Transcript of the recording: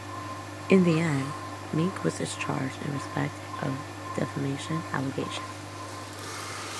In the end Minc was discharged in respect of the defamation allegation.